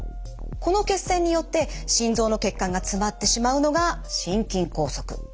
この血栓によって心臓の血管が詰まってしまうのが心筋梗塞。